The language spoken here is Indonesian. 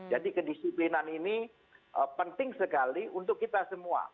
jadi kedisiplinan ini penting sekali untuk kita semua